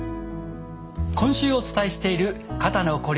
今週お伝えしている肩のこり